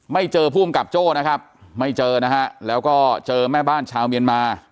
เจอภูมิกับโจ้นะครับไม่เจอนะฮะแล้วก็เจอแม่บ้านชาวเมียนมา